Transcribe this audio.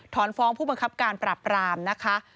ฟ้องผู้บังคับการปราบรามนะคะ